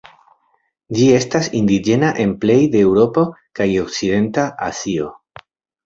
Ĝi estas indiĝena en plej de Eŭropo kaj okcidenta Azio.